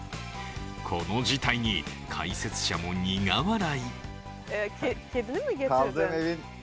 この事態に解説者も苦笑い。